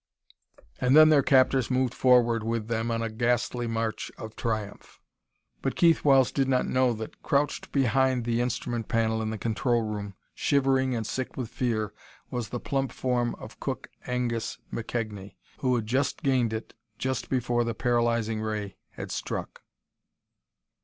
And then their captors moved forward with them on a ghastly march of triumph.... But Keith Wells did not know that, crouched behind the instrument panel in the control room, shivering and sick with fear, was the plump form of Cook Angus McKegnie, who had just gained it just before the paralyzing ray had struck.